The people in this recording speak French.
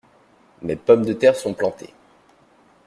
Mes pommes de terre sont plantées.